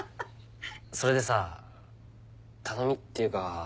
それでさ頼みっていうか。